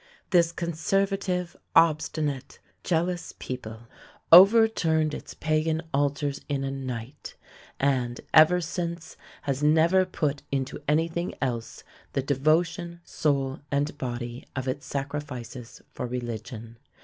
This conservative, obstinate, jealous people overturned its pagan altars in a night, and, ever since, has never put into anything else the devotion, soul and body, of its sacrifices for religion.